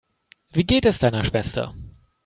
Wie geht es deiner Schwester?